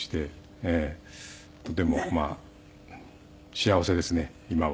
でもまあ幸せですね今は。